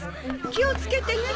気をつけてね。